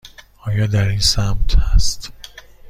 آیا در این سمت است؟